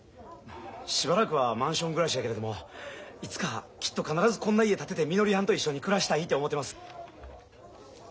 しばらくはマンション暮らしやけれどもいつかきっと必ずこんな家建ててみのりはんと一緒に暮らしたいて思てます。